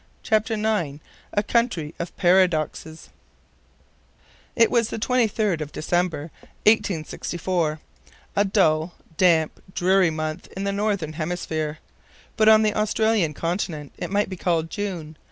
CHAPTER IX A COUNTRY OF PARADOXES IT was the 23d of December, 1864, a dull, damp, dreary month in the northern hemisphere; but on the Australian continent it might be called June.